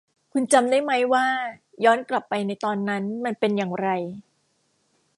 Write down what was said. คุณจำได้มั้ยว่าย้อนกลับไปในตอนนั้นมันเป็นอย่างไร